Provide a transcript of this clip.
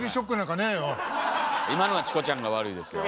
今のはチコちゃんが悪いですよ。